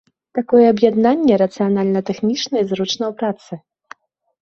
Такое аб'яднанне рацыянальна тэхнічна і зручна ў працы.